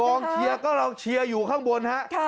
พวกเชียร์โลงเชียร์อยู่ข้างบน